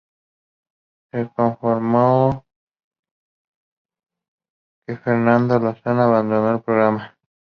Se confirmó que Fernando Lozada abandono el programa.